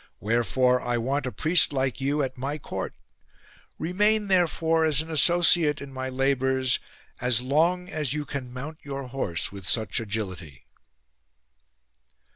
Wherefore I want a priest like you at my court. Remain therefore as an associate in my labours as long as you can mount your horse with such agility."